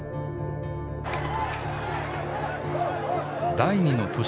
第２の都市